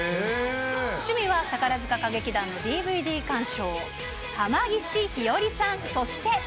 趣味は宝塚歌劇団のＤＶＤ鑑賞、濱岸ひよりさん、そして。